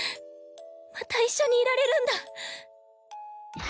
また一緒にいられるんだ！